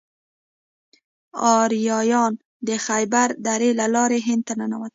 آریایان د خیبر درې له لارې هند ته ننوتل.